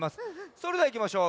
それではいきましょう。